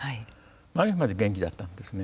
前の日まで元気だったんですね。